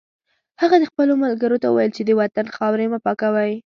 هغه خپلو ملګرو ته وویل چې د وطن خاورې مه پاکوئ